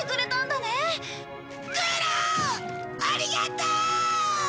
ありがとう！